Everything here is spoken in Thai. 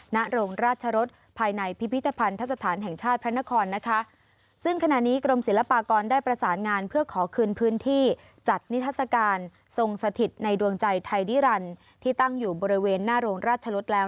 ณโรงราชรสภายในพิพิธภัณฑสถานแห่งชาติพระนครนะคะซึ่งขณะนี้กรมศิลปากรได้ประสานงานเพื่อขอคืนพื้นที่จัดนิทัศกาลทรงสถิตในดวงใจไทยนิรันดิ์ที่ตั้งอยู่บริเวณหน้าโรงราชรสแล้ว